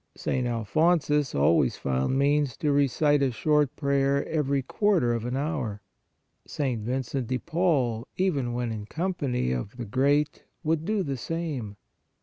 St. Alphonsus always found means to recite a short prayer every quarter of an hour. St. Vincent de Paul, even when in company of the great, would do the same.